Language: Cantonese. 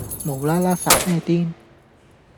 無啦啦發咩癲